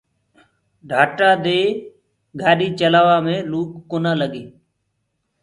ڍآٽآ دي گآڏي چلآوآ مينٚ لوُڪ ڪونآ لگي۔